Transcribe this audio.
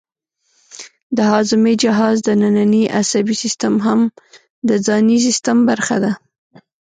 د هاضمې جهاز دنننی عصبي سیستم هم د ځانی سیستم برخه ده